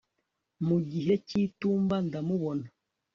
Mu gihe cyitumba ndamubona